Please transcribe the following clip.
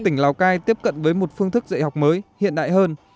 tỉnh lào cai tiếp cận với một phương thức dạy học mới hiện đại hơn